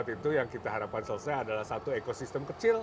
dua ribu dua puluh empat itu yang kita harapkan selesai adalah satu ekosistem